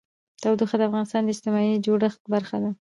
تودوخه د افغانستان د اجتماعي جوړښت برخه ده.